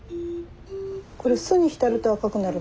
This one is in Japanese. これ酢に浸ると赤くなるの？